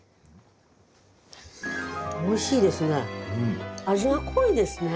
おいしいですね。